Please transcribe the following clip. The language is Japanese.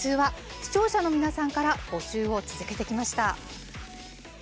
視聴者の皆さんから募集を続けてきました。